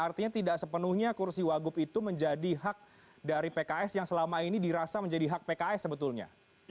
artinya tidak sepenuhnya kursi wagup itu menjadi hak dari pks yang selama ini dirasa menjadi hak pks sebetulnya